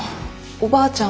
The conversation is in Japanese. おばあちゃん。